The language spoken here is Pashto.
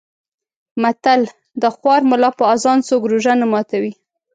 متل: د خوار ملا په اذان څوک روژه نه ماتوي.